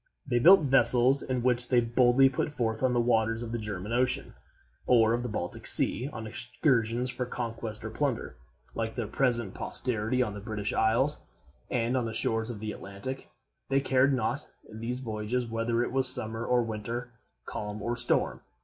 They built vessels, in which they boldly put forth on the waters of the German Ocean or of the Baltic Sea on excursions for conquest or plunder. Like their present posterity on the British isles and on the shores of the Atlantic, they cared not, in these voyages, whether it was summer or winter, calm or storm.